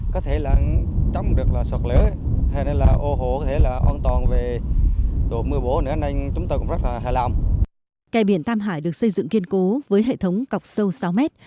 kè biển tam hải được xây dựng kiên cố với hệ thống cọc sâu sáu mét